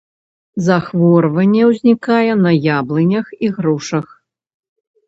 Захворванне ўзнікае на яблынях і грушах.